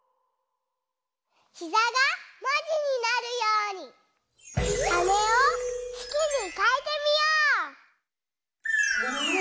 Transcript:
「ひざ」がもじになるように「はね」をすきにかえてみよう！